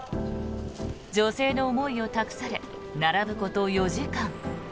女性の思いを託され並ぶこと４時間。